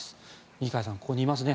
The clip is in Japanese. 二階さんはここにいますね。